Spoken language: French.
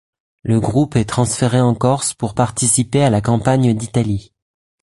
Le groupe est transféré en Corse pour participer à la campagne d'Italie.